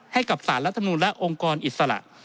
ให้กับสารรัฐมนูลและองค์กรอิสระ